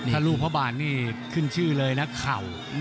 ถ้ารูปพระบาทนี่ขึ้นชื่อเลยนะเข่า